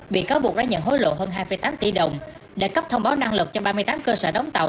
bị cáo buộc đã nhận hối lộ hơn hai tám tỷ đồng đã cấp thông báo năng lực cho ba mươi tám cơ sở đóng tàu